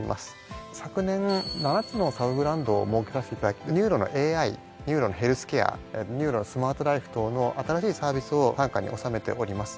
昨年７つのサブブランドを設けさせていただき「ＮＵＲＯ」のＡＩ「ＮＵＲＯ」のヘルスケア「ＮＵＲＯ」のスマートライフ等の新しいサービスを傘下に収めております。